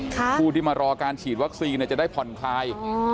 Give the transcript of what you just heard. ผู้ที่มารอการฉีดวัคซีนจะได้ผ่อนคลาย